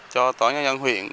cho tòa nhà nhân huyện